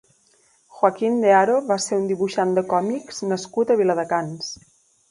Joaquín de Haro va ser un dibuixant de còmics nascut a Viladecans.